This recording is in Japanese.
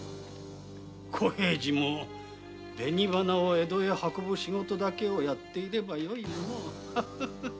小平次も紅花を江戸へ運ぶ仕事だけやっておればよいものを。